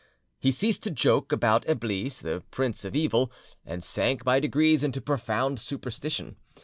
He ceased to joke about Eblis, the Prince of Evil, and sank by degrees into profound superstition.